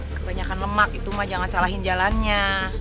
kebanyakan lemak itu mah jangan salahin jalannya